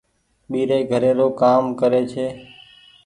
ٻيري گهري رو ڪآم ڪري ڇي۔